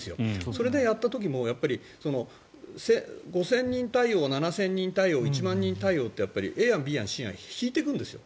それでやった時も５０００人対応７０００人対応、１万人対応ってＡ案、Ｂ案、Ｃ案を引いていくんですよ。